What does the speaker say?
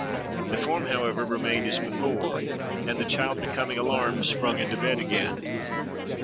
The form, however, remained as before; and the child, becoming alarmed, sprung into bed again.